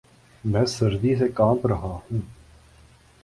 میں سردی سے کانپ رہا ہوں